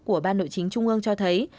của ban nội chính trung ương cho thấy